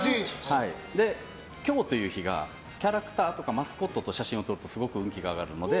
今日という日がキャラクターとかマスコットと写真を撮るとものすごく運気が上がるので。